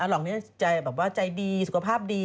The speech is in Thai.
ลองแบบว่าใจดีสุขภาพดี